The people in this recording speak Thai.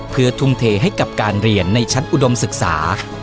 เพื่อทุ่มเทให้กับการเรียนในชั้นอุดมศึกษา